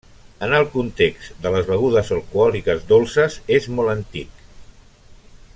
En el context de les begudes alcohòliques dolces és molt antic.